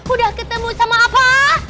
udah ketemu sama apa